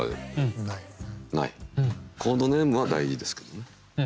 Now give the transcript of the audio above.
コードネームは大事ですけどね。